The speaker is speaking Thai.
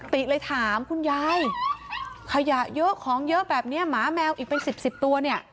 ติเลยถามคุณยายขยะเยอะของเยอะแบบนี้หมาแมวอีกเป็นสิบสิบตัวเนี่ย